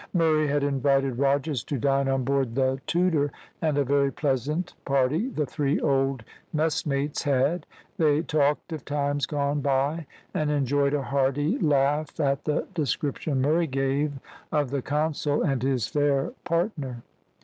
Murray had invited Rogers to dine on board the Tudor, and a very pleasant party the three old messmates had. They talked of times gone by, and enjoyed a hearty laugh at the description Murray gave of the consul and his fair partner.